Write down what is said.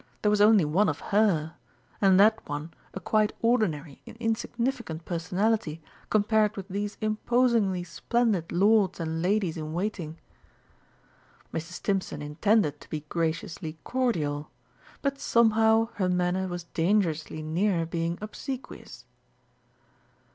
There was only one of her and that one a quite ordinary and insignificant personality compared with these imposingly splendid lords and ladies in waiting. Mrs. Stimpson intended to be graciously cordial, but somehow her manner was dangerously near being obsequious.